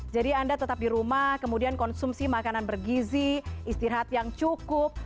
jadi anda tetap di rumah kemudian konsumsi makanan bergizi istirahat yang cukup